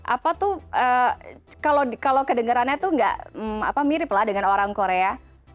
apa itu kalau kedengarannya itu tidak mirip dengan orang korea